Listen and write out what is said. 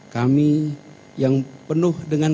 kami yang penuh dengan